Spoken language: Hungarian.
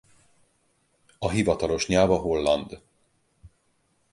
A hivatalos nyelv a holland.